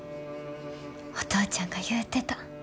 お父ちゃんが言うてた。